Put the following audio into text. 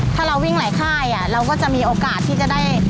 ถ้าเราวิ่งหลายค่ายเราก็จะมีโอกาสที่จะได้